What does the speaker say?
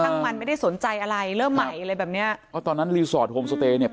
ช่างมันไม่ได้สนใจอะไรเริ่มใหม่อะไรแบบเนี้ยอ๋อตอนนั้นเนี้ย